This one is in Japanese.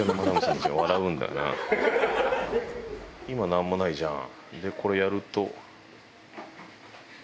今なんもないじゃん？